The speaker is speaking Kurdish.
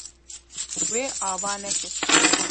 Wê ava nekir.